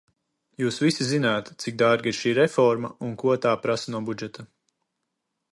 Jūs visi zināt, cik dārga ir šī reforma un ko tā prasa no budžeta.